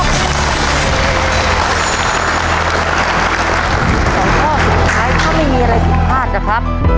สองข้อสุดท้ายถ้าไม่มีอะไรผิดพลาดนะครับ